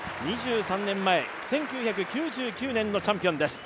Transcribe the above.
２３年前、１９９９年のチャンピオンです。